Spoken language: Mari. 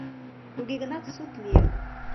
Туге гынат суд лийын.